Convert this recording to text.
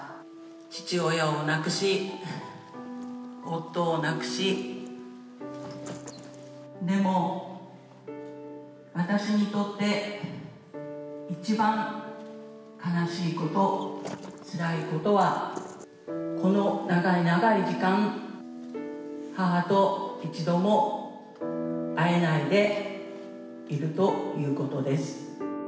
父親を亡くし、夫を亡くし、でも私にとって、一番悲しいこと、つらいことは、この長い長い時間、母と一度も会えないでいるということです。